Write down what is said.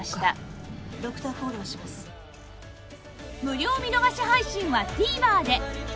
無料見逃し配信は ＴＶｅｒ で